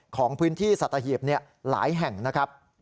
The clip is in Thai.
ของพื้นที่สัตว์อาเหียบเนี่ยหลายแห่งนะครับ